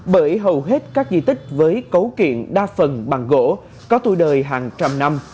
bởi hầu hết các di tích với cấu kiện đa phần bằng gỗ có tuổi đời hàng trăm năm